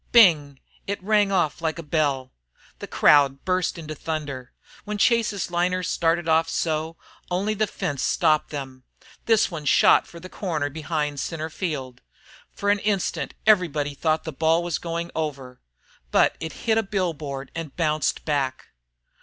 "Bing!" It rang off like a bell. The crowd burst into thunder. When Chase's liners started off so, only the fence stopped them. This one shot for the corner behind centre field. For one instant everybody thought the ball was going over, but it hit a bill board and bounced back.